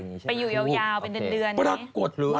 ไปอยู่ยาวเป็นเดือน